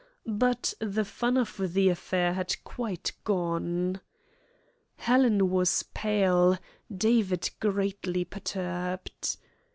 But the fun of the affair had quite gone. Helen was pale, David greatly perturbed.